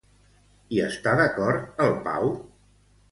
Hi està d'acord el Pau?